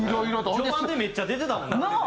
序盤でめっちゃ出てたもんな。なあ？